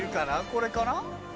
これかな？